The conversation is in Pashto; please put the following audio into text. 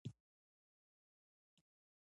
هندوانه د ګردو لپاره ګټه لري.